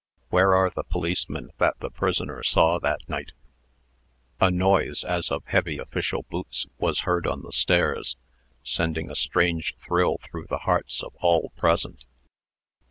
Where are the policemen that the prisoner saw that night?" A noise, as of heavy official boots, was heard on the stairs, sending a strange thrill through the hearts of all present.